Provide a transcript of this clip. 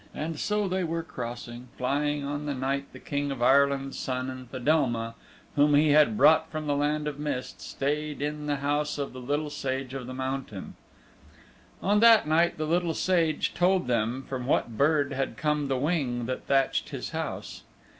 And so they were crossing and flying on the night the King of Ireland's Son and Fedelma whom he had brought from the Land of Mist stayed in the house of the Little Sage of the Mountain. On that night the Little Sage told them from what bird had come the wing that thatched his house.